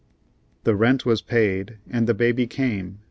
The rent was paid, and the baby came.